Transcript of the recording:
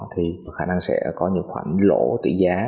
thì có khả năng sẽ có những khoản lỗ tỷ giá